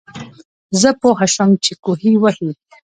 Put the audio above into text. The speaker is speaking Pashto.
زۀ پوهه شوم چې کوهے وهي